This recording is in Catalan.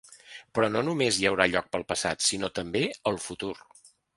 Però no només hi haurà lloc pel passat, sinó també el futur.